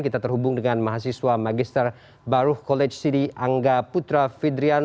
kita terhubung dengan mahasiswa magister baru college city angga putra fidrian